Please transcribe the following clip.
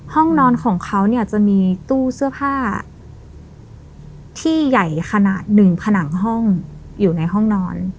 ห้องนอนของเขาเนี่ยจะมีตู้เสื้อผ้าที่ใหญ่ขนาดหนึ่งผนังห้องอยู่ในห้องนอน